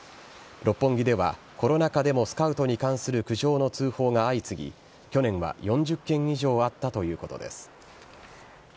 六本木では、コロナ禍でもスカウトに関する苦情の通報が相次ぎ、去年は４０件以上あったということです。